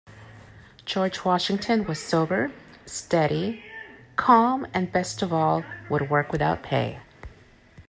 George Washington was sober, steady, calm, and best of all, would work without pay.